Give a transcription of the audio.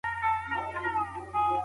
زه کليمې جوړوم.